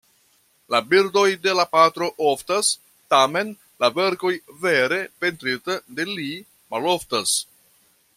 La bildoj de la patro oftas, tamen la verkoj vere pentrita de li maloftas!